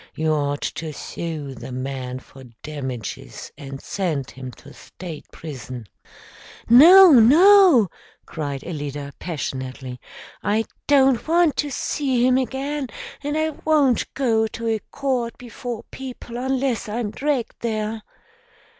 You ought to sue the man for damages and send him to State prison." "No, no!" cried Alida passionately. "I don't want to see him again, and I won't go to a court before people unless I am dragged there."